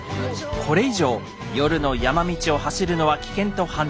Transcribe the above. これ以上夜の山道を走るのは危険と判断。